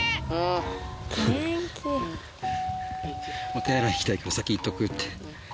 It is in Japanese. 「お手洗い行きたいから先行っとく」って。